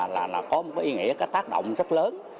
là có một ý nghĩa tác động rất lớn